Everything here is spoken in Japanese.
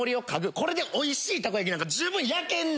これでおいしいたこ焼きなんか十分焼けんねん！